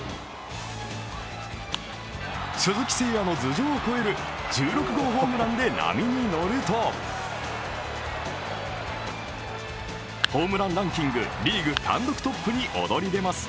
鈴木誠也の頭上を超える１６号ホームランで波に乗ると、ホームランランキング、リーグ単独トップに躍り出ます。